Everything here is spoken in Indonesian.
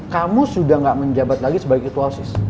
kamu sudah gak menjabat lagi sebagai ketua sis